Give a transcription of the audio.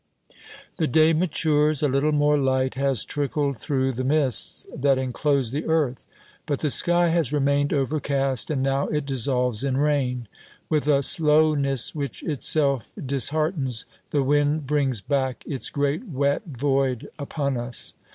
The day matures. A little more light has trickled through the mists that enclose the earth. But the sky has remained overcast, and now it dissolves in rain; With a slowness which itself disheartens, the wind brings back its great wet void upon us.